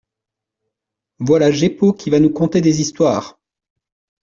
Voilà Jeppo qui va nous conter des histoires !